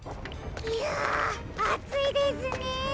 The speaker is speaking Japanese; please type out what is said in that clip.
ひゃあついですね。